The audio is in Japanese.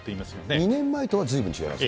２年前とはずいぶん違います